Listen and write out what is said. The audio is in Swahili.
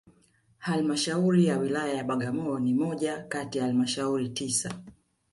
Halmashauri ya Wilaya ya Bagamoyo ni moja kati ya halmashuri tisa